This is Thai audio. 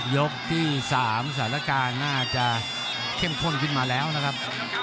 ยกที่๓สถานการณ์น่าจะเข้มข้นขึ้นมาแล้วนะครับ